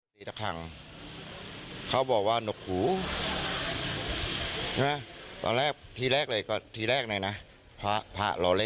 ทีตะครั่งเขาบอกว่านกหนูทีแรกในน่ะพระแล